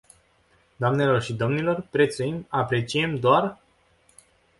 Doamnelor și domnilor, prețuim, apreciem doar...